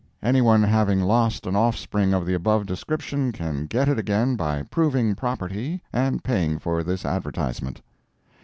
Anyone having lost an offspring of the above description can get it again by proving property and paying for this advertisement.